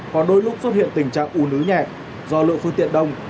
còn đôi lúc xuất hiện tình trạng ùn ứ nhẹt do lượng phương tiện đông